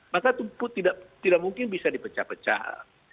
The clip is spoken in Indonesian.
maka itu pun tidak mungkin bisa dipecah pecah